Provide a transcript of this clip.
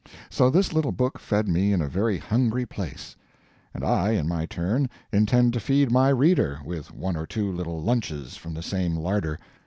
So this little book fed me in a very hungry place; and I, in my turn, intend to feed my reader, with one or two little lunches from the same larder.